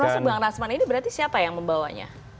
termasuk bang rasman ini berarti siapa yang membawanya